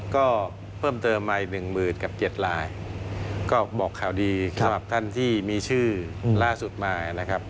ก็เพิ่มเติมมา๑๗มกับ๗ลาย